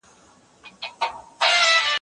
بېګناه که وژل کېږي